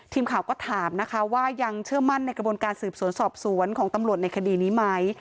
ทีมข่าวก็ถามนะคะว่ายังเชื่อมั่นในกระบวนการสืบสวนสอบสวนของตำรวจในคดีนี้ไหม